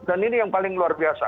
dan ini yang paling luar biasa